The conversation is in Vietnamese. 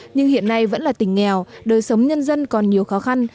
nhưng hiện nay vẫn là tỉnh nghèo đời sống nhân dân còn nhiều khó khăn